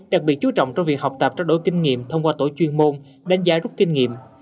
đặc biệt chú trọng trong việc học tập trao đổi kinh nghiệm thông qua tổ chuyên môn đánh giá rút kinh nghiệm